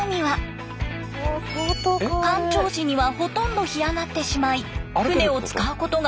干潮時にはほとんどが干上がってしまい船を使うことができません。